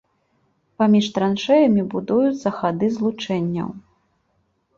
Паміж траншэямі будуюцца хады злучэнняў.